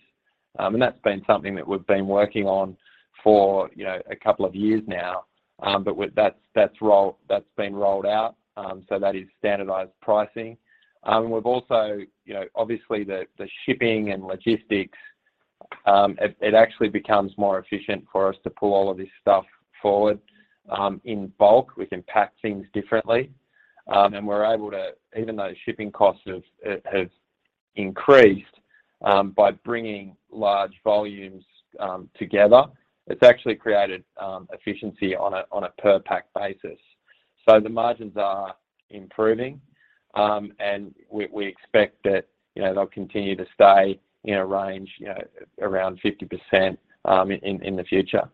D: That's been something that we've been working on for, you know, a couple of years now. That's been rolled out. That is standardized pricing. We've also, you know, obviously the shipping and logistics, it actually becomes more efficient for us to pull all of this stuff forward in bulk. We can pack things differently. We're able to even though shipping costs have increased, by bringing large volumes together, it's actually created efficiency on a per pack basis. The margins are improving, and we expect that, you know, they'll continue to stay in a range, you know, around 50%, in the future.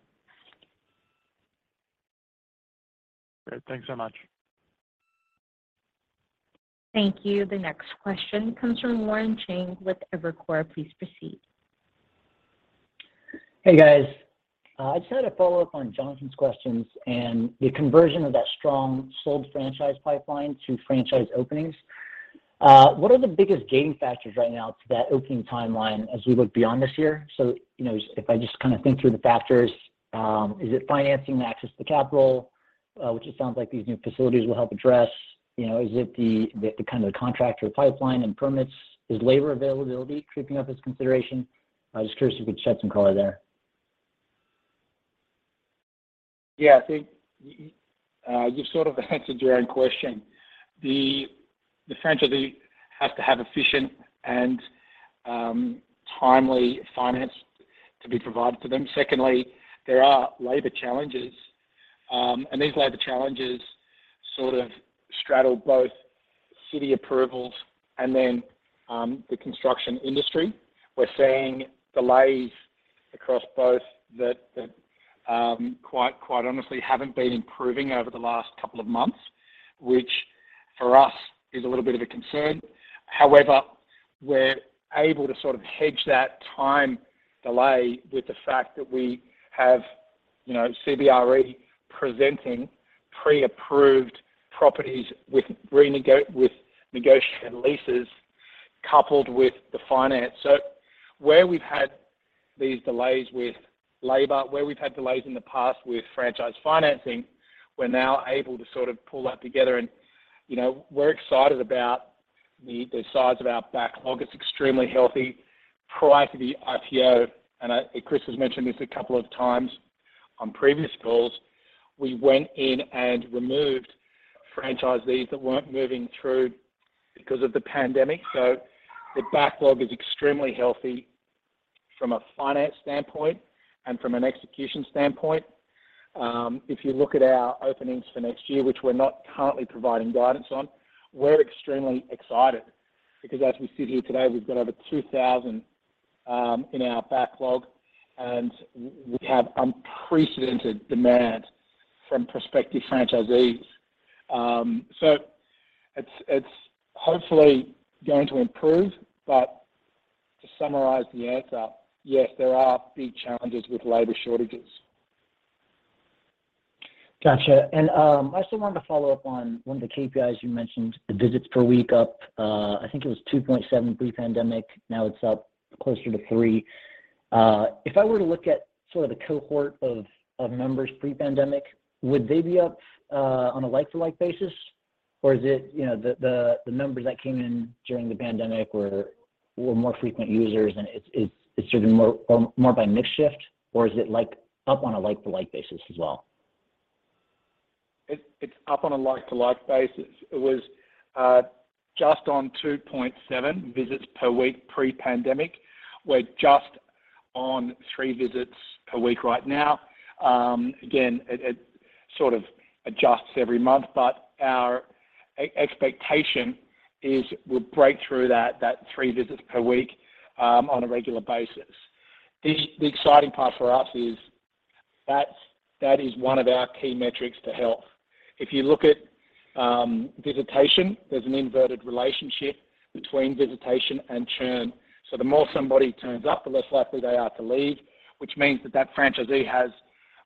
I: Great. Thanks so much.
A: Thank you. The next question comes from Warren Cheng with Evercore. Please proceed.
J: Hey, guys. I just had a follow-up on Jonathan's questions and the conversion of that strong sold franchise pipeline to franchise openings. What are the biggest gating factors right now to that opening timeline as we look beyond this year? You know, if I just kind of think through the factors, is it financing the access to capital, which it sounds like these new facilities will help address? You know, is it the kind of contractor pipeline and permits? Is labor availability creeping up as consideration? I'm just curious if you could shed some color there.
C: Yeah. I think you sort of answered your own question. The franchisee has to have efficient and timely finance to be provided to them. Secondly, there are labor challenges, and these labor challenges sort of straddle both city approvals and then the construction industry. We're seeing delays across both that quite honestly haven't been improving over the last couple of months, which for us is a little bit of a concern. However, we're able to sort of hedge that time delay with the fact that we have, you know, CBRE presenting pre-approved properties with negotiated leases coupled with the finance. So where we've had these delays with labor, where we've had delays in the past with franchise financing, we're now able to sort of pull that together. You know, we're excited about the size of our backlog. It's extremely healthy. Prior to the IPO, Chris has mentioned this a couple of times on previous calls, we went in and removed franchisees that weren't moving through because of the pandemic. The backlog is extremely healthy from a finance standpoint and from an execution standpoint. If you look at our openings for next year, which we're not currently providing guidance on, we're extremely excited because as we sit here today, we've got over 2,000 in our backlog, and we have unprecedented demand from prospective franchisees. It's hopefully going to improve. To summarize the answer, yes, there are big challenges with labor shortages.
J: Gotcha. I still wanted to follow up on one of the KPIs you mentioned, the visits per week up, I think it was 2.7 pre-pandemic, now it's up closer to three. If I were to look at sort of the cohort of members pre-pandemic, would they be up on a like-for-like basis? Or is it, you know, the members that came in during the pandemic were more frequent users, and it's driven more by mix shift? Or is it like up on a like-for-like basis as well?
C: It's up on a like to like basis. It was just on 2.7 visits per week pre-pandemic. We're just on three visits per week right now. Again, it sort of adjusts every month, but our expectation is we'll break through that three visits per week on a regular basis. The exciting part for us is that is one of our key metrics to health. If you look at visitation, there's an inverted relationship between visitation and churn. The more somebody turns up, the less likely they are to leave, which means that that franchisee has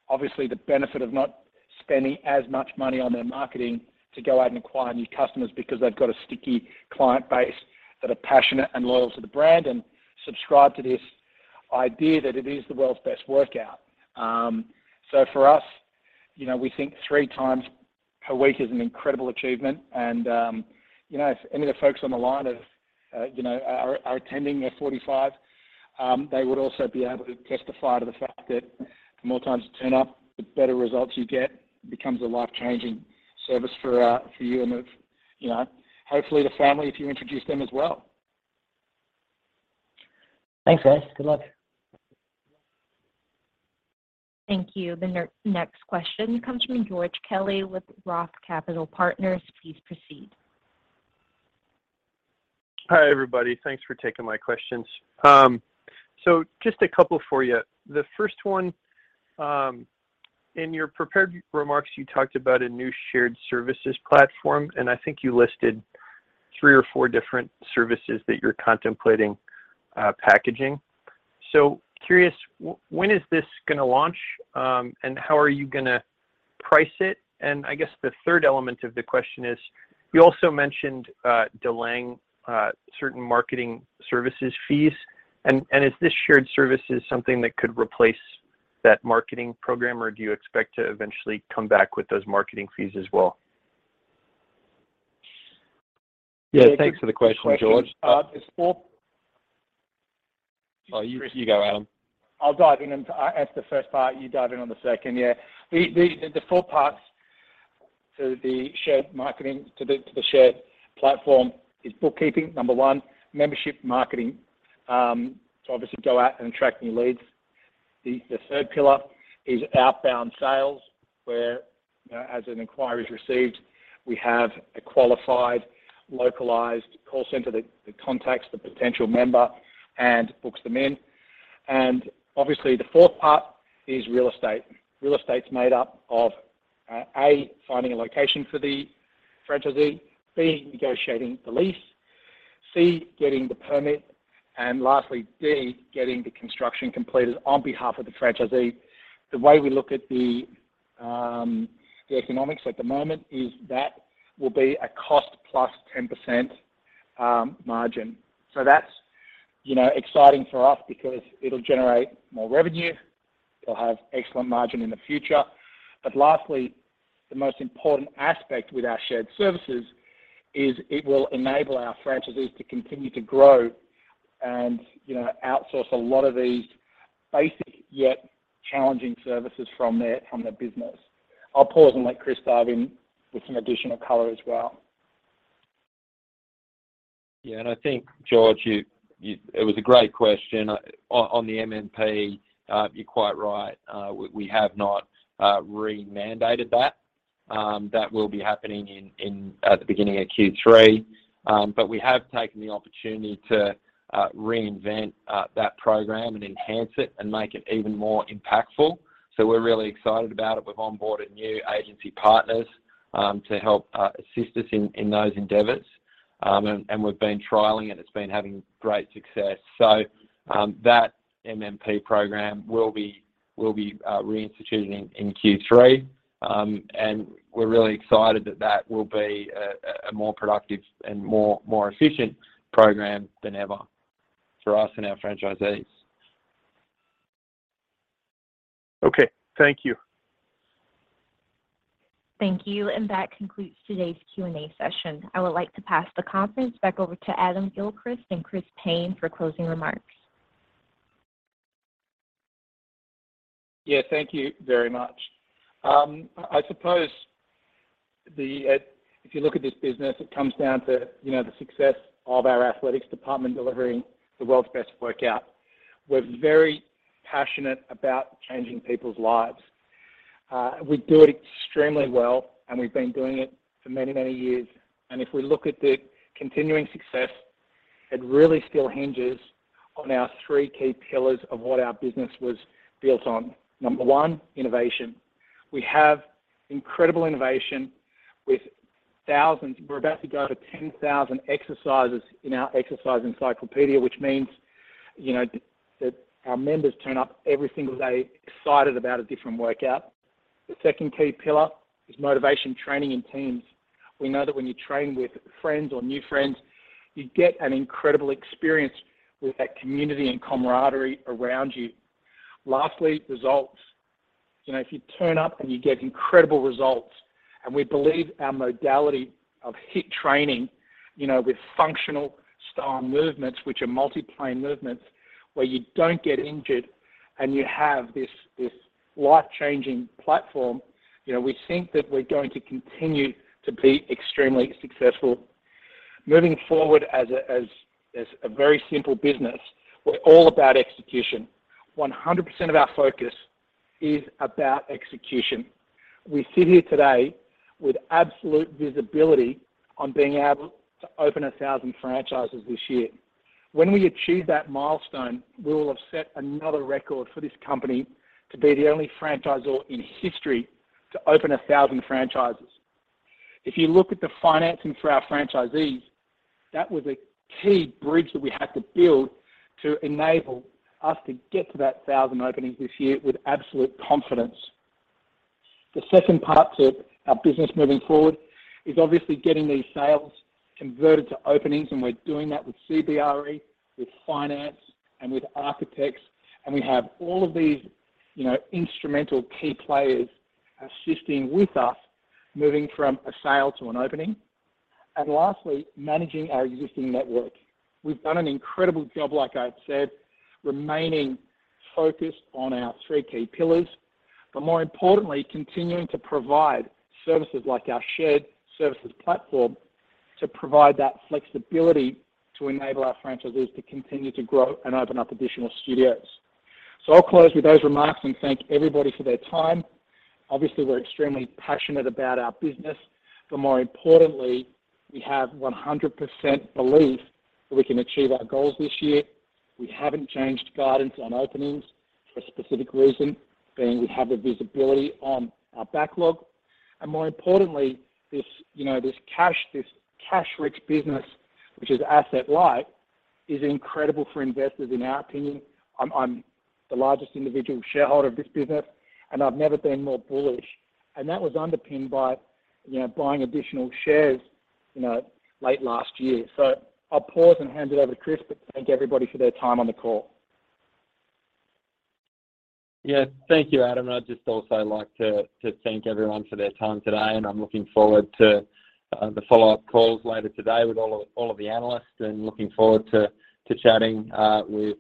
C: obviously the benefit of not spending as much money on their marketing to go out and acquire new customers because they've got a sticky client base that are passionate and loyal to the brand and subscribe to this idea that it is the world's best workout. For us, you know, we think three times per week is an incredible achievement. If any of the folks on the line have, you know, are attending their 45, they would also be able to testify to the fact that the more times you turn up, the better results you get. Becomes a life-changing service for you, and, you know, hopefully the family if you introduce them as well.
J: Thanks, guys. Good luck.
A: Thank you. The next question comes from George Kelly with Roth Capital Partners. Please proceed.
K: Hi, everybody. Thanks for taking my questions. Just a couple for you. The first one, in your prepared remarks, you talked about a new shared services platform, and I think you listed three or four different services that you're contemplating packaging. Curious, when is this gonna launch, and how are you gonna price it? I guess the third element of the question is, you also mentioned delaying certain marketing services fees. Is this shared services something that could replace that marketing program, or do you expect to eventually come back with those marketing fees as well?
D: Yeah, thanks for the question, George.
C: There's four-
D: Oh, you go, Adam.
C: I'll dive in on the first part. You dive in on the second. Yeah. The four parts to the shared platform is bookkeeping, number one, membership marketing, to obviously go out and attract new leads. The third pillar is outbound sales, where as an inquiry is received, we have a qualified, localized call center that contacts the potential member and books them in. Obviously, the fourth part is real estate. Real estate's made up of A, finding a location for the franchisee, B, negotiating the lease, C, getting the permit, and lastly, D, getting the construction completed on behalf of the franchisee. The way we look at the economics at the moment is that will be a cost plus 10% margin. That's, you know, exciting for us because it'll generate more revenue. It'll have excellent margin in the future. Lastly, the most important aspect with our shared services is it will enable our franchisees to continue to grow and, you know, outsource a lot of these basic, yet challenging services from their business. I'll pause and let Chris dive in with some additional color as well.
D: Yeah. I think, George, it was a great question. On the MMP, you're quite right. We have not re-mandated that. That will be happening at the beginning of Q3. We have taken the opportunity to reinvent that program and enhance it and make it even more impactful. We're really excited about it. We've onboarded new agency partners to help assist us in those endeavors. We've been trialing it. It's been having great success. That MMP program will be reinstituted in Q3. We're really excited that that will be a more productive and more efficient program than ever for us and our franchisees.
K: Okay. Thank you.
A: Thank you. That concludes today's Q&A session. I would like to pass the conference back over to Adam Gilchrist and Chris Payne for closing remarks.
C: Yeah. Thank you very much. I suppose the, if you look at this business, it comes down to, you know, the success of our athletics department delivering the world's best workout. We're very passionate about changing people's lives. We do it extremely well, and we've been doing it for many, many years. If we look at the continuing success, it really still hinges on our three key pillars of what our business was built on. Number one, innovation. We have incredible innovation. We're about to go to 10,000 exercises in our exercise encyclopedia, which means, you know, that our members turn up every single day excited about a different workout. The second key pillar is motivation, training, and teams. We know that when you train with friends or new friends, you get an incredible experience with that community and camaraderie around you. Lastly, results. You know, if you turn up, and you get incredible results, and we believe our modality of HIIT training, you know, with functional style movements, which are multi-plane movements, where you don't get injured. You have this life-changing platform. You know, we think that we're going to continue to be extremely successful. Moving forward as a very simple business, we're all about execution. 100% of our focus is about execution. We sit here today with absolute visibility on being able to open 1,000 franchises this year. When we achieve that milestone, we'll have set another record for this company to be the only franchisor in history to open 1,000 franchises. If you look at the financing for our franchisees, that was a key bridge that we had to build to enable us to get to those 1,000 openings this year with absolute confidence. The second part to our business moving forward is obviously getting these sales converted to openings, and we're doing that with CBRE, with finance, and with architects. We have all of these, you know, instrumental key players assisting with us moving from a sale to an opening. Lastly, managing our existing network. We've done an incredible job, like I said, remaining focused on our three key pillars, but more importantly, continuing to provide services like our shared services platform to provide that flexibility to enable our franchisees to continue to grow and open up additional studios. I'll close with those remarks and thank everybody for their time. Obviously, we're extremely passionate about our business, but more importantly, we have 100% belief that we can achieve our goals this year. We haven't changed guidance on openings for a specific reason, being we have the visibility on our backlog. More importantly, this, you know, this cash, this cash-rich business, which is asset light, is incredible for investors in our opinion. I'm the largest individual shareholder of this business, and I've never been more bullish. That was underpinned by, you know, buying additional shares, you know, late last year. I'll pause and hand it over to Chris, but thank everybody for their time on the call.
D: Yeah. Thank you, Adam. I'd just also like to thank everyone for their time today, and I'm looking forward to the follow-up calls later today with all of the analysts and looking forward to chatting with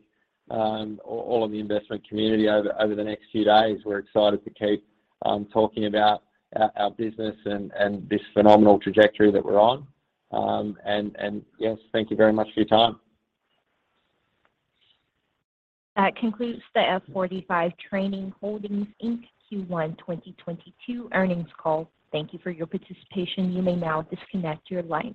D: all of the investment community over the next few days. We're excited to keep talking about our business and this phenomenal trajectory that we're on. Yes, thank you very much for your time.
A: That concludes the F45 Training Holdings, Inc., Q1 2022 earnings call. Thank you for your participation. You may now disconnect your line.